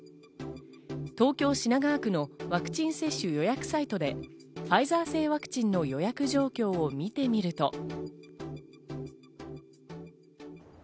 東京・品川区のワクチン接種予約サイトでファイザー製ワクチンの予約状況を見てみると。